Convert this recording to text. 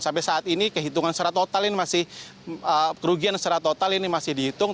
sampai saat ini kerugian secara total ini masih dihitung